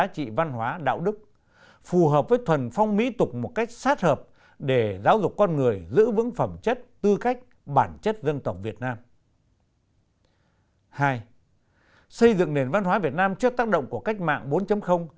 hai xây dựng nền văn hóa việt nam trước tác động của cách mạng bốn